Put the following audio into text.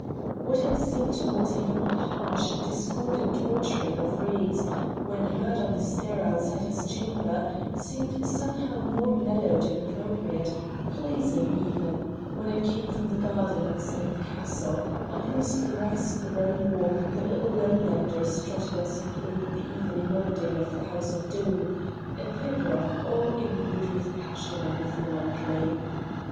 What had seemed to Montaiglon a harsh, discordant torturing of reeds when heard on the stair outside his chamber, seemed somehow more mellowed and appropriate pleasing even when it came from the garden outside the castle, on whose grass grown walk the little lowlander strutted as he played the evening melody of the house of Doom a pibroch all imbued with passion and with melancholy.